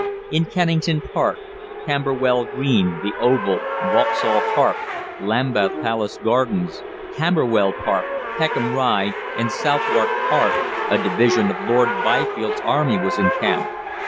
In Kennington Park, Camberwell Green, the Oval, Vauxhall Park, Lambeth Palace Gardens, Camberwell Park, Peckham Rye and Southwark Park a division of Lord Byfield's army was encamped.